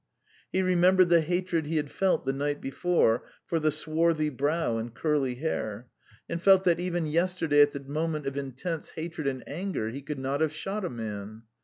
He remembered the hatred he had felt the night before for the swarthy brow and curly hair, and felt that even yesterday at the moment of intense hatred and anger he could not have shot a man.